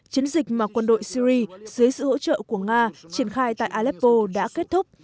chiến dịch mà quân đội syri dưới sự hỗ trợ của nga triển khai tại aleppo đã kết thúc